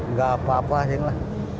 nggak apa apa ya